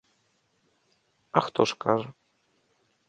А хто ж кажа.